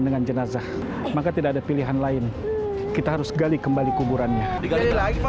dengan jenazah maka tidak ada pilihan lain kita harus gali kembali kuburannya